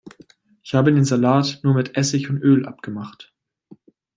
Ich hab den Salat nur mit Essig und Öl abgemacht.